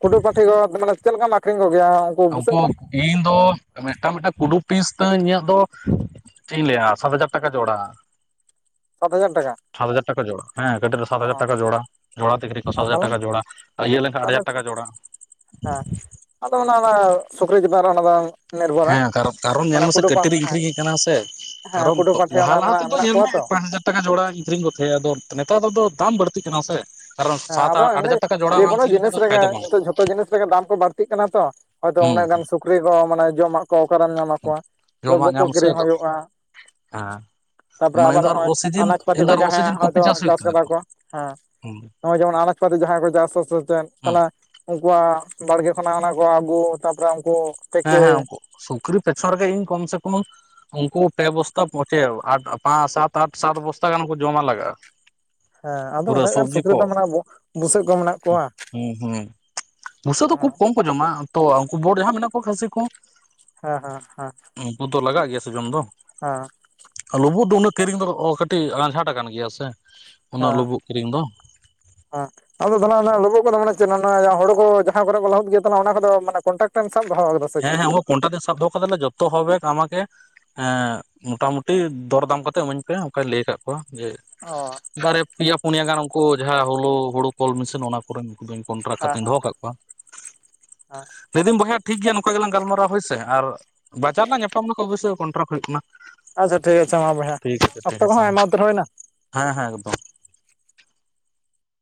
ᱠᱩᱰᱩ ᱯᱟᱹᱴᱷᱤ ᱠᱚ ᱢᱟᱱᱮ ᱪᱮᱫ ᱞᱮᱠᱟᱢ ᱟᱠᱷᱨᱤᱧ ᱠᱚ ᱜᱮᱭᱟ? ᱩᱱᱠᱩ ᱤᱧ ᱫᱚ ᱢᱤᱫ ᱴᱟᱝ, ᱢᱤᱫ ᱴᱟᱝ ᱠᱩᱰᱩ ᱯᱷᱤᱥ ᱛᱤᱧ ᱤᱧᱟᱹᱜ ᱫᱚ! ᱪᱮᱫ ᱤᱧ ᱞᱟᱹᱭᱼᱟ ᱥᱟᱛ ᱦᱟᱡᱟᱨ ᱴᱟᱠᱟ ᱡᱚᱲᱟ᱾ ᱥᱟᱛ ᱦᱟᱡᱟᱨ ᱴᱟᱠᱟ! ᱥᱟᱛ ᱦᱟᱡᱟᱨ ᱴᱟᱠᱟ ᱡᱳᱲᱟ ᱦᱮᱸ ᱠᱟᱹᱴᱤᱡ ᱨᱮ ᱥᱟᱛ ᱚ ᱦᱟᱡᱟᱨ ᱴᱟᱠᱟ ᱡᱚᱲᱟ᱾ ᱡᱳᱲᱟ ᱛᱤᱠᱨᱤ [inaudible] ᱱᱤᱛᱚᱼᱜ ᱥᱟᱛ ᱟᱨ ᱦᱟᱡᱟᱨ ᱛᱟᱦᱚᱞᱮ ᱴᱟᱠᱟ ᱡᱚᱲᱟ, ᱟᱨ ᱤᱭᱟᱹ ᱞᱮᱱ ᱠᱷᱟᱱ ᱟᱴ ᱦᱟᱡᱟᱨ ᱴᱟᱠᱟ ᱡᱚᱲᱟ᱾ ᱟᱸ [unintelligible] ᱟᱫᱚ ᱚᱱᱟ ᱫᱚ ᱥᱩᱠᱨᱤ ᱪᱮᱛᱟᱱ ᱨᱮ ᱚᱱᱟ ᱫᱚ! ᱱᱤᱨᱵᱷᱚᱨᱟᱭ ᱦᱮᱸ ᱠᱟᱨᱚᱠ ᱠᱟᱨᱚᱱ ᱧᱮᱞ ᱢᱟᱱᱮ ᱢᱮ ᱥᱮ ᱠᱩᱰᱩ ᱯᱟ ᱠᱟᱹᱴᱤᱡ ᱨᱤᱧ ᱦᱮᱸ ᱟᱹᱠᱷᱨᱤᱧ ᱮ ᱠᱟᱱᱟ ᱥᱮ ᱦᱮᱸ ᱠᱟᱨᱚᱱ ᱠᱩᱰᱩ ᱯᱟᱴᱷᱮ ᱞᱟᱦᱟ ᱚᱱᱟ - ᱞᱟᱦᱟ ᱢᱮᱱᱟᱜ ᱛᱮᱫᱚ ᱢᱮᱱᱟᱜ ᱧᱮᱞ ᱠᱚᱣᱟ ᱢᱮ ᱛᱚ ᱯᱟᱸᱪ ᱦᱟᱡᱟᱨᱼᱼᱼ ᱴᱟᱠᱟ ᱡᱚᱲᱟᱧ ᱟᱹᱠᱷᱨᱤᱧ ᱠᱚ ᱛᱟᱦᱮᱸᱜ ᱟᱫᱚ ᱱᱮᱛᱟᱨ ᱫᱚ ᱫᱟᱢ ᱵᱟᱹᱲᱛᱤᱜ ᱠᱟᱱᱟ ᱥᱮᱼᱼ ᱠᱟᱨᱚᱱ ᱦᱮᱸ ᱥᱟᱛ ᱟᱫᱚ ᱟᱴ ᱮᱢᱱᱤ ᱦᱟᱡᱟᱨ ᱴᱟᱠᱟ ᱡᱚᱲᱟ ᱵᱟᱝ ᱡᱮᱠᱳᱱᱳ ᱟᱹᱠᱷᱨᱤᱧ ᱡᱤᱱᱤᱥ ᱞᱮᱠᱷᱟᱱ ᱫᱚ ᱨᱮᱜᱮ ᱯᱷᱟᱭᱫᱟ ᱵᱟᱝᱼᱼᱼᱼᱼ ᱱᱤᱛᱚᱜ ᱡᱷᱚᱛᱚ ᱡᱤᱱᱤᱥ ᱨᱮᱜᱮ ᱫᱟᱢ ᱠᱚ ᱵᱟᱹᱲᱛᱤᱼᱜ ᱠᱟᱱᱟ ᱛᱚ ᱦᱚᱭᱛᱚ ᱦᱩᱸ ᱩᱱᱟᱹᱜ ᱜᱟᱱ ᱥᱩᱠᱨᱤ ᱠᱚ ᱢᱟᱱᱮ ᱡᱚᱢᱟᱜ ᱠᱚ ᱚᱠᱟᱨᱮᱢ ᱧᱟᱢ ᱟᱠᱚᱣᱟ ᱡᱚᱢᱟᱜ ᱞᱚᱵᱩᱜ ᱠᱚ ᱧᱟᱢ ᱥᱮ ᱠᱤᱨᱤᱧ ᱟᱫᱚ ᱦᱩᱭᱩᱜᱼᱟ᱾ ᱦᱮᱸ ᱛᱟᱯᱚᱨᱮ ᱢᱟᱱᱮ ᱟᱵᱟᱨ ᱤᱧ ᱫᱚ ᱟᱨ ᱱᱚᱜᱼᱚᱭ ᱚᱥᱤᱡᱤᱱ ᱟᱱᱟᱡᱯᱟᱹᱛᱤ ᱤᱧ ᱠᱚ ᱫᱚ ᱟᱨ ᱡᱟᱦᱟᱸᱭᱼᱟ ᱚᱥᱤᱡᱤᱱ ᱠᱚᱯᱤ ᱦᱚᱭᱛᱚ ᱦᱩᱭᱩᱜ ᱪᱟᱥ ᱛᱤᱧᱟᱹ ᱠᱟᱫᱟ ᱛᱚ ᱠᱚ ᱦᱮᱸ ᱦᱩᱸ ᱱᱚᱜᱼᱚᱭ ᱡᱮᱢᱚᱱ ᱟᱱᱟᱡᱯᱟᱛᱮ ᱡᱟᱦᱟᱸᱭ ᱠᱚ ᱪᱟᱥᱼᱟ ᱥᱮ ᱪᱮᱫ ᱦᱩᱸ ᱛᱟᱞᱮ ᱩᱱᱠᱩᱣᱟᱼᱜ ᱵᱟᱲᱜᱮ ᱠᱷᱚᱱᱟᱜ ᱚᱱᱟ ᱠᱚ ᱟᱹᱜᱩ ᱛᱟᱯᱚᱨᱮ ᱩᱱᱠᱩ ᱦᱮᱸ- ᱛᱮᱠᱮ ᱦᱮᱸ ᱩᱱᱠᱩ ᱥᱩᱠᱨᱤ ᱯᱮᱪᱷᱚᱱ ᱨᱮᱜᱮ ᱤᱧ ᱠᱚᱢ ᱥᱮ ᱠᱚᱢᱼᱼᱼ ᱩᱱᱠᱩ ᱯᱮ ᱵᱚᱥᱛᱟ ᱯᱚᱪᱮᱣ ᱯᱟᱸ ᱥᱟᱛ ᱟᱴ ᱥᱟᱛ ᱵᱚᱥᱛᱟ ᱜᱟᱱ ᱠᱚ ᱡᱚᱢᱼᱟ ᱞᱟᱜᱟᱜᱼᱟ ᱦᱮᱸ ᱟᱫᱚ ᱯᱩᱨᱟᱹ ᱩᱱᱟᱹᱜ ᱜᱟᱱ ᱥᱚᱵᱽᱡᱤ ᱥᱩᱠᱨᱤ ᱫᱚ ᱢᱟᱱᱮ. ᱵᱩ ᱵᱩᱥᱟᱹᱜ ᱠᱚ ᱢᱮᱱᱟᱜ ᱠᱚᱣᱟ᱾ ᱦᱮᱸ- ᱦᱩᱸ ᱵᱩᱥᱟᱹᱜ ᱫᱚ ᱠᱷᱩᱵ ᱦᱮᱸ ᱠᱚᱢ ᱠᱚ ᱡᱚᱢᱼᱟ ᱛᱚ ᱩᱱᱠᱩ ᱵᱳᱴ ᱡᱟᱦᱟᱸ ᱢᱮᱱᱟᱜ ᱠᱚ ᱠᱷᱟᱹᱥᱤ ᱠᱩ ᱦᱮᱸ ᱻ ᱦᱮᱸ ᱻ ᱦᱮᱸ ᱩᱱᱠᱩ ᱫᱚ ᱞᱟᱜᱟᱼᱜ ᱜᱮᱭᱟ ᱥᱮ ᱡᱚᱢ ᱫᱚ ᱦᱚᱸ ᱞᱩᱵᱩᱜ ᱫᱚ ᱩᱱᱟᱹᱜ ᱠᱤᱨᱤᱧ ᱫᱚ ᱠᱟᱹᱴᱤᱡ ᱟᱸᱡᱷᱟᱴ ᱟᱠᱟᱱ ᱜᱮᱭᱟ ᱥᱮ ᱩᱱᱟᱹᱜ ᱞᱩᱵᱩᱜ ᱠᱤᱨᱤᱧ ᱫᱚ᱾ ᱟ [unintelligible] ᱟᱫᱚ ᱛᱟᱦᱞᱮ ᱚᱱᱟ ᱞᱚᱵᱚᱜ ᱠᱚᱫᱚ ᱵᱚᱞᱮ ᱪᱮᱜ ᱢᱟᱱᱮ ᱟᱭᱟᱜ ᱦᱳᱲᱳ ᱠᱚ ᱡᱟᱦᱟᱸ ᱠᱚᱨᱮ ᱠᱚ ᱞᱟᱦᱩᱫ ᱜᱮ ᱛᱟᱦᱮ ᱚᱱᱟ ᱠᱚᱫᱚ ᱠᱚᱱᱴᱮᱠᱴᱮᱴ ᱥᱟᱵ ᱫᱚᱦᱚ ᱠᱟᱫᱟ ᱥᱮ ᱪᱮᱫ? ᱦᱮᱸ- ᱦᱮᱸ ᱚᱱᱟ ᱯᱚᱱᱴᱟ ᱫᱤᱱ ᱥᱟᱵ ᱫᱚᱦᱚ ᱠᱟᱫᱟᱞᱮ ᱡᱚᱛᱚᱵ ᱦᱚᱵᱮᱠ ᱟᱢᱟᱠᱮᱼ-ᱼᱼ ᱦᱮᱸ ᱢᱚᱴᱟᱢᱩᱴᱤ ᱫᱚᱨᱫᱟᱢ ᱠᱟᱛᱮᱜ ᱤᱢᱟᱹᱧ ᱯᱮ ᱚᱱᱠᱟᱧ ᱞᱟᱹᱭ ᱠᱟᱜ ᱠᱚᱣᱟ ᱡᱮ ᱚᱸ ᱨᱮ ᱯᱮᱭᱟ ᱯᱩᱱᱭᱟ ᱜᱟᱱ ᱩᱱᱠᱩ ᱡᱟᱦᱟᱸ ᱦᱳᱞᱳ ᱦᱳᱲᱩ ᱠᱚᱞ ᱢᱮᱥᱤᱱ ᱚᱱᱟ ᱠᱚᱨᱮᱱ ᱼᱼᱼ ᱠᱚᱱᱴᱟᱨᱟᱠ ᱦᱮᱸ ᱠᱟᱛᱮᱧ ᱦᱮᱸ ᱫᱚᱦᱚᱸ ᱠᱟᱜ ᱠᱚᱣᱟ ᱦᱮᱸ ᱞᱟᱹᱭᱫᱟᱹᱧ ᱵᱚᱭᱦᱟ ᱴᱷᱤᱠ ᱜᱮᱭᱟᱼᱼᱼ ᱱᱚᱝᱠᱟ ᱜᱮᱞᱟᱝ ᱜᱟᱞᱢᱟᱨᱟᱣᱼᱟ ᱦᱳᱭᱥᱮ ᱟᱨ ᱵᱟᱡᱟᱨ ᱞᱟᱝ ᱧᱟᱯᱟᱢ ᱞᱮᱠᱷᱟᱱ ᱚᱵᱚᱥᱥᱳᱭ ᱠᱚᱱᱴᱨᱟᱠᱴ ᱦᱩᱭᱩᱜ ᱠᱟᱱᱟ ᱟᱪᱪᱷᱟ ᱴᱷᱤᱠ ᱟᱪᱮ ᱟᱪᱷᱷᱟ ᱢᱟ ᱵᱚᱭᱦᱟ ᱴᱷᱤᱠ ᱟᱪᱷᱮ ᱴᱷᱤᱠ ᱞᱚᱠᱛᱚ ᱠᱚᱦᱚᱸ ᱟᱪᱷᱮ ᱟᱭᱢᱟ ᱩᱛᱟᱹᱨ ᱦᱩᱭᱱᱟ᱾ ᱦᱮᱸ- ᱦᱮᱸ ᱮᱠᱫᱚᱢ